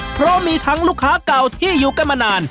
เพราะมีทั้งลูกค้าเก่าที่อยู่กันมานาน